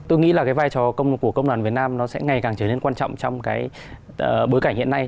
tôi nghĩ là vai trò của công đoàn việt nam sẽ ngày càng trở nên quan trọng trong bối cảnh hiện nay